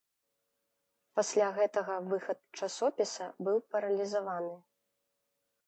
Пасля гэтага выхад часопіса быў паралізаваны.